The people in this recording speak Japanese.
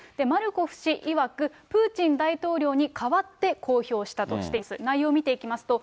マルコフ氏いわく、プーチン大統領に代わって公表したとしています。